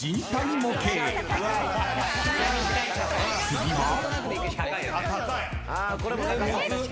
［次は］